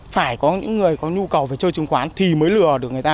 phải có những người có nhu cầu phải chơi chứng khoán thì mới lừa được người ta